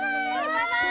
バイバイ！